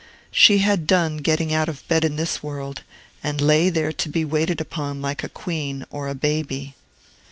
She had done getting out of bed in this world, and lay there to be waited upon like a queen or a baby.